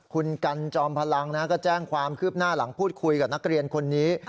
คุณกันจอมพลังก็แจ้งความคืบหน้าหลังพูดคุยกับนักเรียนคนนี้